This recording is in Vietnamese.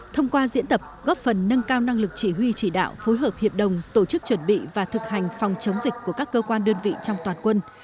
thông qua diễn tập góp phần nâng cao năng lực chỉ huy chỉ đạo phối hợp hiệp đồng tổ chức chuẩn bị và thực hành phòng chống dịch của các cơ quan đơn vị trong toàn quân